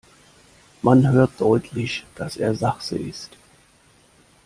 Man hört deutlich, dass er Sachse ist.